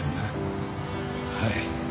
はい。